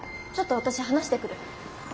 ちょっと私話してくる。